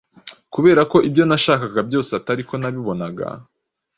Kubera ko ibyo nashakaga byose atari ko nabibonaga,